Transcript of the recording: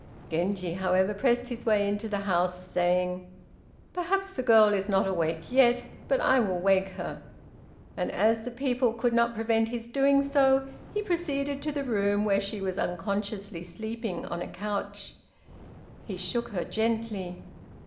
Genji, however, pressed his way into the house, saying: "Perhaps the girl is not awake yet, but I will awake her," and, as the people could not prevent his doing so, he proceeded to the room where she was unconsciously sleeping on a couch. He shook her gently.